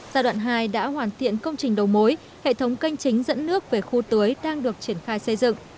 giai đoạn hai đã hoàn thiện công trình đầu mối hệ thống canh chính dẫn nước về khu tưới đang được triển khai xây dựng